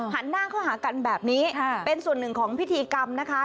หันหน้าเข้าหากันแบบนี้เป็นส่วนหนึ่งของพิธีกรรมนะคะ